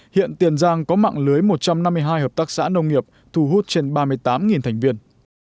hiện tiền giang có mạng lưới một trăm năm mươi hai hợp tác xã nông nghiệp thu hút trên ba mươi tám thành viên